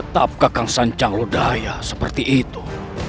tetap kakang sanjang lu daya seperti itu